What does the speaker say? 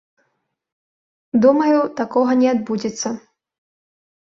Думаю, такога не адбудзецца.